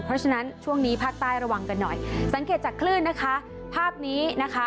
เพราะฉะนั้นช่วงนี้ภาคใต้ระวังกันหน่อยสังเกตจากคลื่นนะคะภาพนี้นะคะ